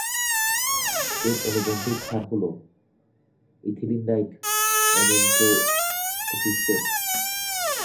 এর অনুবন্ধী ক্ষার হলো ইথিলিনডাইএমিনোটেট্রাএসিটেট।